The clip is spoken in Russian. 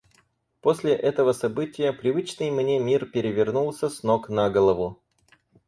После этого события привычный мне мир перевернулся с ног на голову.